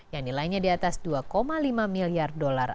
yang nilainya di atas dua lima miliar dolar